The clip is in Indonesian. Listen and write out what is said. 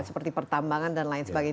seperti pertambangan dan lain sebagainya